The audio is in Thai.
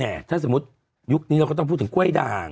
ในเฮียวฮะถ้าสมมติยุคนี้อาจจะต้องพูดถึงก้วยด่าง